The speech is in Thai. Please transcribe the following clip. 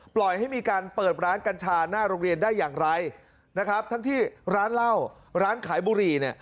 ปล่อยให้มีการเปิดร้านกัญชาหน้าโรงเรียนได้อย่างไรนะครับทั้งที่ร้านเหล้าร้านขายบุหรี่เนี่ย